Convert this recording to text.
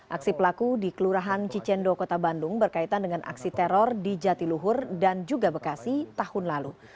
aksi pelaku di kelurahan cicendo kota bandung berkaitan dengan aksi teror di jatiluhur dan juga bekasi tahun lalu